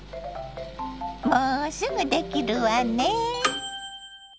もうすぐできるわねぇ。